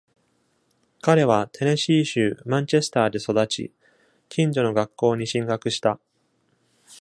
彼はテネシー州マンチェスターで育ち、近所の学校に進学した。